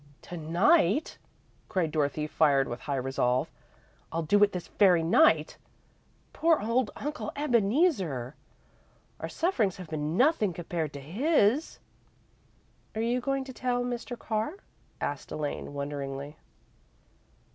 "To night!" cried Dorothy, fired with high resolve. "I'll do it this very night! Poor old Uncle Ebeneezer! Our sufferings have been nothing, compared to his." "Are you going to tell Mr. Carr?" asked Elaine, wonderingly.